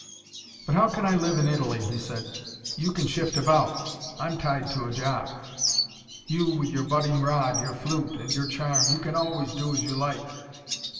"But how can I live in Italy?" he said. "You can shift about. I'm tied to a job." "You with your budding rod, your flute and your charm you can always do as you like."